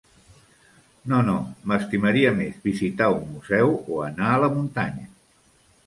No, no, m'estimaria més visitar un museu, o anar a la muntanya.